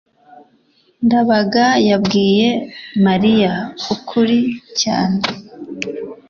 ndabaga yabwiye mariya ukuri cyane